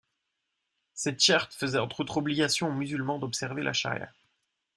Cette charte faisait entre autres obligation aux musulmans d'observer la shariah.